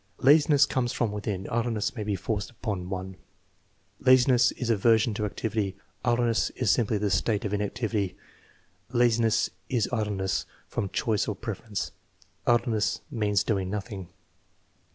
" Laziness comes from within ; idleness may be forced upon one." "Laziness is aversion to activity; idleness is simply the state of inactivity." "Laziness is idleness from choice or pref erence; idleness means doing nothing."